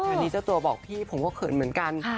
อันนี้เจ้าตัวบอกพี่ผมก็เขินเหมือนกัน